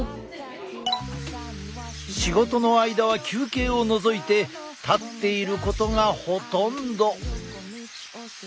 仕事の間は休憩を除いて立っていることがほとんど。